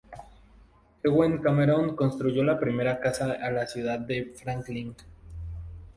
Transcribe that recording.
Ewen Cameron construyó la primera casa a la ciudad de Franklin.